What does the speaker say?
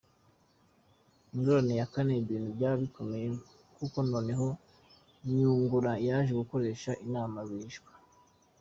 Ingorane ya kane, ibintu byaje gukomera kuko noneho Nyungura yaje gukoresha inama rwihishwa.